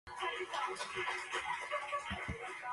He is currently a team consultant for the Saint Louis Blues.